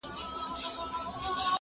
تر پښو لاندي قرار نه ورکاوه مځکي